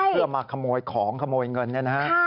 เพื่อเคยมาขโมยของขโมยเงินนะฮะ